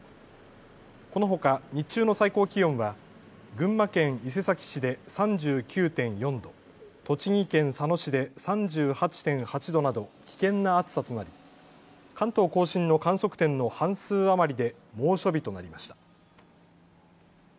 このほか日中の最高気温は群馬県伊勢崎市で３９．４度、栃木県佐野市で３８．８度など危険な暑さとなり、関東甲信の観測点の半数余りで猛暑日となりました。